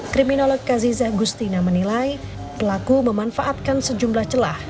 kriminolog kazizah gustina menilai pelaku memanfaatkan sejumlah celah